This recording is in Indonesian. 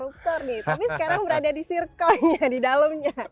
tapi sekarang berada di sirkonya di dalamnya